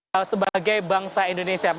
penggunaan perusahaan indonesia